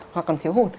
hoặc còn thiếu hụt